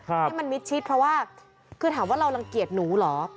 ให้มันมิดชิดเพราะว่าคือถามว่าเรารังเกียจหนูเหรอ